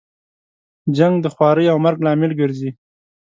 جنګ د خوارۍ او مرګ لامل ګرځي.